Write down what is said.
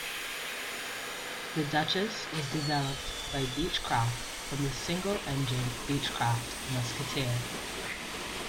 The Duchess was developed by Beechcraft from the single-engined Beechcraft Musketeer.